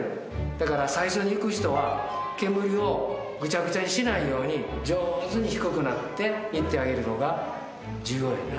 だから最初に行く人は煙をぐちゃぐちゃにしないように上手に低くなって行ってあげるのが重要やな。